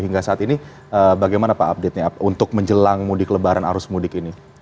hingga saat ini bagaimana pak update nya untuk menjelang mudik lebaran arus mudik ini